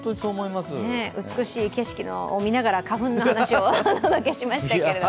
美しい景色を見ながら花粉の話をお届けしましたけれども。